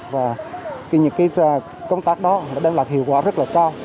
thì những công tác đó đang là hiệu quả rất là cao